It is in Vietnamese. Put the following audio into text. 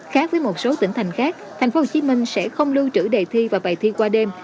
khác với một số tỉnh thành khác thành phố hồ chí minh sẽ không lưu trữ đề thi và bài thi qua đêm